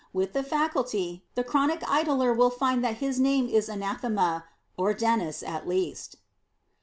With the Faculty, the chronic idler will find that his name is anathema, or Dennis at least.